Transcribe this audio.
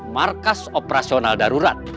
markas operasional darurat